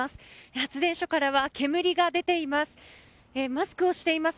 発電所からは煙が出ています。